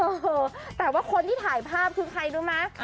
เออแต่ว่าคนที่ถ่ายภาพคือใครรู้ไหม